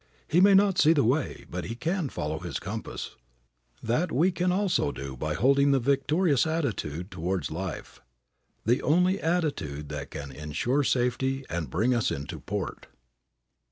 He may not see the way, but he can follow his compass. That we also can do by holding the victorious attitude towards life, the only attitude that can insure safety and bring us into port.